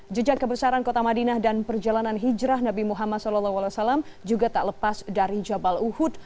jejak kebesaran kota madinah dan perjalanan hijrah nabi muhammad saw juga tak lepas dari jabal uhud